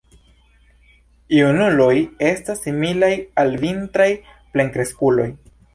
Junuloj estas similaj al vintraj plenkreskuloj.